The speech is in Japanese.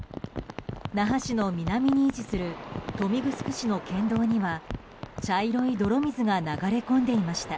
那覇市の南に位置する豊見城市の県道には茶色い泥水が流れ込んでいました。